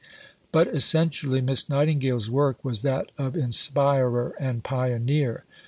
But essentially Miss Nightingale's work was that of inspirer and pioneer.